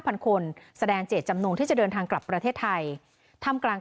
พันคนแสดงเจตจำนงที่จะเดินทางกลับประเทศไทยทำกลาง